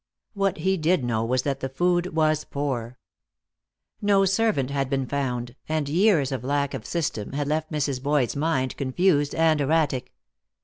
What he did know was that the food was poor. No servant had been found, and years of lack of system had left Mrs. Boyd's mind confused and erratic.